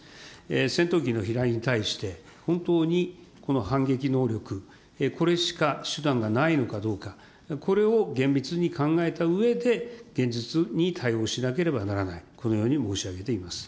戦闘機の飛来に対して、本当にこの反撃能力、これしか手段がないのかどうか、これを厳密に考えたうえで、現実に対応しなければならない、このように申し上げています。